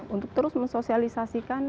untuk terus mensosialisasikan